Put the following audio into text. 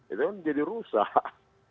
itu kan jadi rusak